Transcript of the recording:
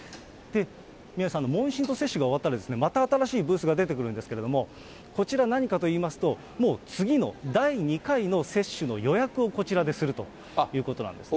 宮根さん、問診と接種が終わったらですね、また新しいブースが出てくるんですけれども、こちら何かといいますと、もう次の第２回の接種の予約をこちらでするということなんですね。